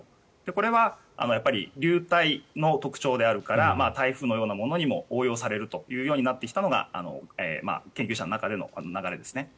これは流体の特徴であるから台風のようなものにも応用されるというようになってきたのが研究者の中の流れですね。